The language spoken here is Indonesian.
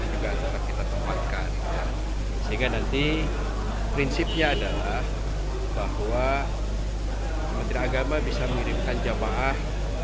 juga tetap kita tempatkan sehingga nanti prinsipnya adalah bahwa menteri agama bisa mengirimkan jamaah